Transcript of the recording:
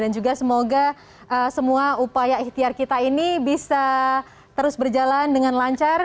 dan juga semoga semua upaya ikhtiar kita ini bisa terus berjalan dengan lancar